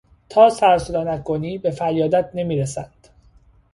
تا سروصدا نکنی به فریادت نمیرسند.